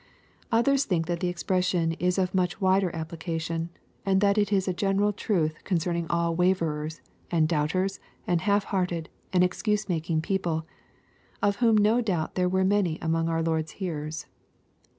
— Others think that the expression is of much wider apphcation, and that it is a general truth concerning all waverers, and doubters, and half hearted, and excuse making people, of whom no doubt there were many among our Lord's hearers.